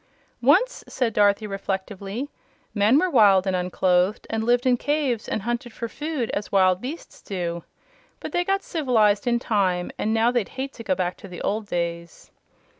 "Once," said Dorothy, reflectively, "men were wild and unclothed and lived in caves and hunted for food as wild beasts do. But they got civ'lized, in time, and now they'd hate to go back to the old days."